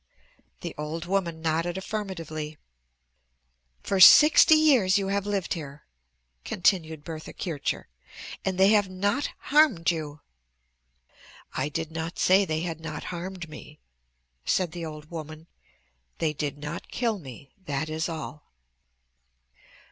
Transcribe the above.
The old woman nodded affirmatively. "For sixty years you have lived here," continued Bertha Kircher, "and they have not harmed you!" "I did not say they had not harmed me," said the old woman, "they did not kill me, that is all."